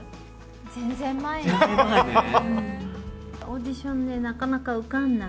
全然前よ。